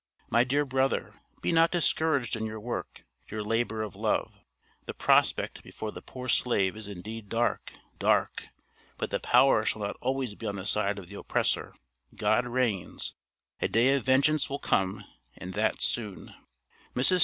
My dear brother, be not discouraged in your work, your labor of love. The prospect before the poor slave is indeed dark, dark! But the power shall not always be on the side of the oppressor. God reigns. A day of vengeance will come, and that soon. Mrs.